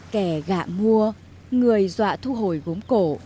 kẻ gạ mua người dọa thu hồi gốm